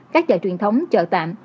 các chợ truyền thống chợ tạm